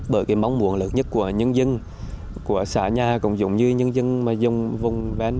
bởi mong muốn lực nhất của nhân dân của xã nhà cũng giống như nhân dân dùng vùng bến